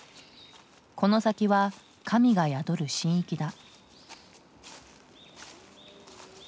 この先は神が宿る神域だ。